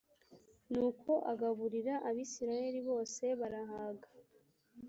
Nuko agaburira l Abisirayeli bose barahaga.